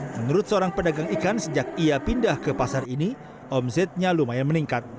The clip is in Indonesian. menurut seorang pedagang ikan sejak ia pindah ke pasar ini omsetnya lumayan meningkat